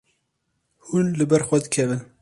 Hûn li ber xwe dikevin.